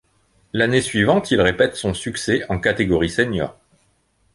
L'année suivante il répète son succès en catégorie senior.